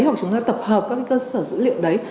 hoặc chúng ta tập hợp các cái cơ sở dữ liệu đấy